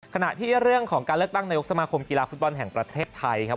ขณะที่เรื่องของการเลือกตั้งนายกสมาคมกีฬาฟุตบอลแห่งประเทศไทยครับ